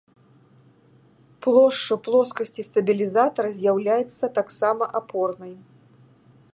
Плошчу плоскасці стабілізатара з'яўляецца таксама апорнай.